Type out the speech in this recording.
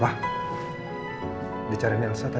bapak perlu bicara sebentar sama kamu